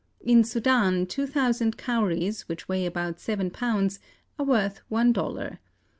In Sudan, two thousand Cowries, which weigh about seven pounds, are worth one dollar.